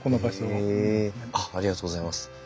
へえあっありがとうございます。